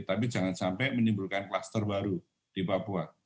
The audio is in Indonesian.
tapi jangan sampai menimbulkan kluster baru di papua